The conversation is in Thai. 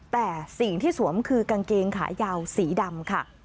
แต่สิ่งที่สวมคือกางเกงขายาวสีดำค่ะ